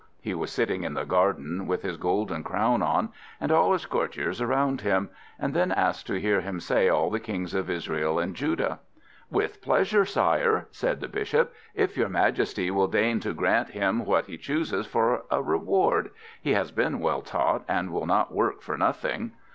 He was sitting in the garden, with his gold crown on, and all his courtiers around him; and then asked to hear him say all the kings of Israel and Judah. "With pleasure, sire," said the Bishop; "if your Majesty will deign to grant him what he chooses for a reward. He has been well taught, and will not work for nothing."